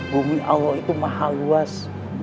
bumi allah itu maha luas